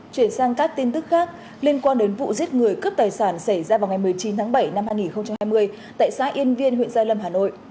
chuyển sang các tin tức khác liên quan đến vụ giết người cướp tài sản xảy ra vào ngày một mươi chín tháng bảy năm hai nghìn hai mươi tại xã yên viên huyện gia lâm hà nội